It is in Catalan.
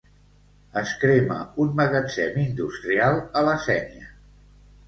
Es crema un magatzem industrial a la Sénia.